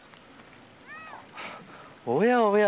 おやおや。